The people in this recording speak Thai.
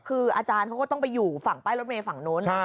คืออาจารย์เขาก็ต้องไปอยู่ฝั่งป้ายรถเมย์ฝั่งนู้น